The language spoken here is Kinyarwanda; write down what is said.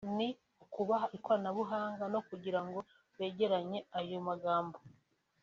Ni ukubaha ikoranabuhanga no kugira ngo begeranye ayo magambo